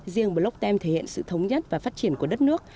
riêng bờ lốc tem thể hiện sự thống nhất và phát triển của đất nước